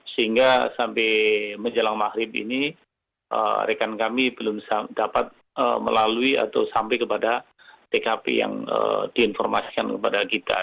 sehingga sampai menjelang mahrib ini rekan kami belum dapat melalui atau sampai kepada tkp yang diinformasikan kepada kita